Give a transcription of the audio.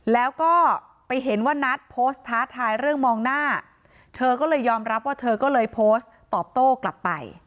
แล้วก็ไปเห็นว่านัทโพสต์ท้าทายเรื่องมองหน้าเธอก็เลยยอมรับว่าเธอก็เลยโพสต์ตอบโต้กลับไป